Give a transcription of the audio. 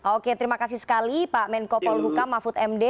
oke terima kasih sekali pak menko polhukam mahfud md